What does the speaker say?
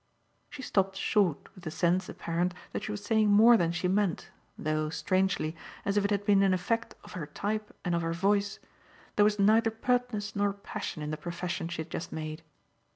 She stopped short with the sense apparent that she was saying more than she meant, though, strangely, as if it had been an effect of her type and of her voice, there was neither pertness nor passion in the profession she had just made.